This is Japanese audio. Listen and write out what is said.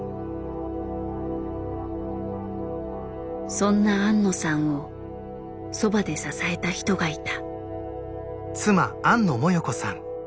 そんな庵野さんをそばで支えた人がいた。